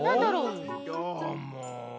どーも。